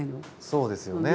そうですよね。